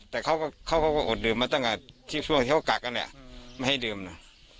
แต่เขาก็อดดื่มมาตั้งแต่ที่ช่วงที่เขากักกันเนี่ยไม่ให้ดื่มนะ